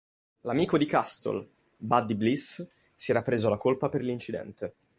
L'amico di Castle, Buddy Bliss, si era preso la colpa per l'incidente.